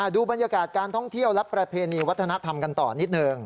ดูบรรยากาศการท่องเที่ยวและประเพณีวัฒนธรรมกันต่อนิดหนึ่ง